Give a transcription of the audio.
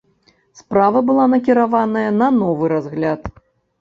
Справа была накіраваная на новы разгляд.